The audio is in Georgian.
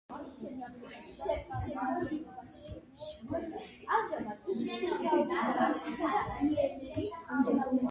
მასობრივი თავდასხმისას ძროხების მერძეულობა და რძის ცხიმიანობა მცირდება.